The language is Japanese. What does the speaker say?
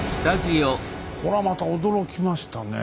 これはまた驚きましたね。